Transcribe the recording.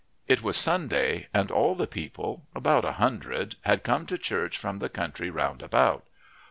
It was Sunday, and all the people, about, a hundred, had come to church from the country round about.